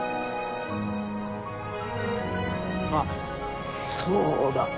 あっそうだ。